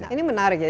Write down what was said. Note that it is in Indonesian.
ini menarik ya